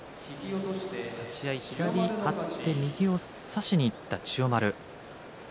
立ち合い、左張って右を差しにいった千代丸。